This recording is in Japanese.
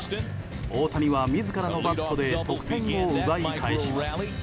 大谷は自らのバットで得点を奪い返します。